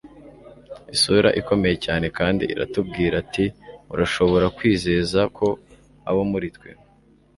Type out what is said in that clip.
isura ikomeye cyane kandi aratubwira ati 'urashobora kwizeza ko abo muri twe